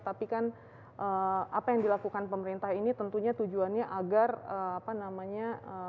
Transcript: tapi kan apa yang dilakukan pemerintah ini tentunya tujuannya agar apa namanya